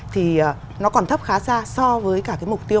thì nó còn thấp khá xa so với cả cái mục tiêu